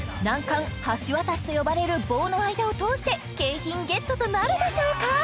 難関橋渡しと呼ばれる棒の間を通して景品ゲットとなるでしょうか？